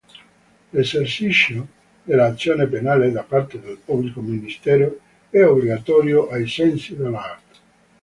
L'esercizio dell'azione penale da parte del pubblico ministero è obbligatorio ai sensi dell'art.